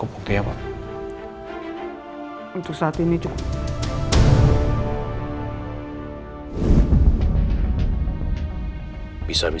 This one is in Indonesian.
biarkan dia mengganggu suatu kali